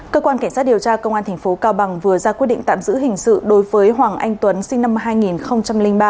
cơ quan cảnh sát điều tra công an tp cao bằng vừa ra quyết định tạm giữ hình sự đối với hoàng anh tuấn sinh năm hai nghìn ba